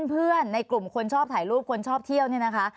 และเพื่อนในกลุ่มคนชอบถ่ายรูปคนชอบเที่ยวนี่นะคะ